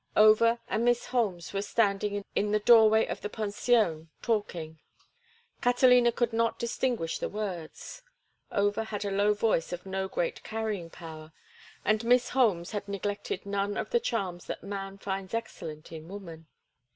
Over and Miss Holmes were standing in the doorway of the pension, talking. Catalina could not distinguish the words. Over had a low voice of no great carrying power, and Miss Holmes had neglected none of the charms that man finds excellent in woman.